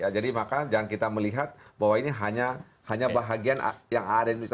jadi maka jangan kita melihat bahwa ini hanya bahagian yang ada di indonesia